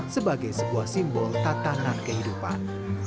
sebagai sebuah simbol tatanan kehidupan